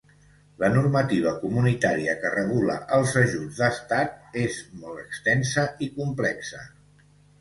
La normativa comunitària que regula els ajuts d'Estat és molt extensa i complexa.